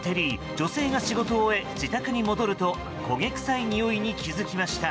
女性が仕事を終え自宅に戻ると焦げ臭いにおいに気づきました。